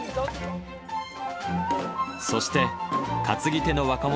そして、担ぎ手の若者